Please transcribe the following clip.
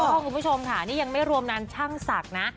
คุณผู้ชมค่ะนี่ยังไม่รวมนั้นช่างศักดิ์นะ